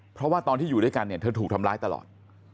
เพราะว่าตอนที่อยู่ด้วยกันเนี่ยเธอถูกทำร้ายตลอด